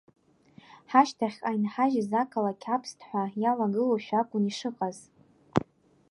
Ҳашьҭахьҟа инҳажьыз ақалақь аԥсҭҳәа иалагылоушәа акәын ишыҟаз.